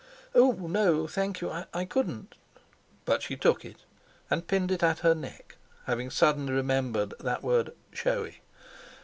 "Oh! No, thank you—I couldn't!" But she took it and pinned it at her neck, having suddenly remembered that word "showy".